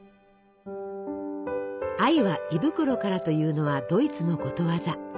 「愛は胃袋から」というのはドイツのことわざ。